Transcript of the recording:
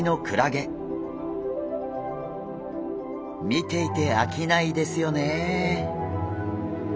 見ていてあきないですよねえ。